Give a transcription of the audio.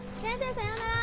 さようなら